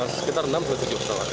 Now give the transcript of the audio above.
sekitar enam tujuh pesawat